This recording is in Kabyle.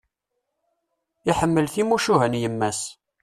Iḥemmel timucuha n yemma-s.